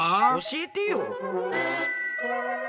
教えてよ。